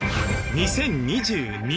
２０２２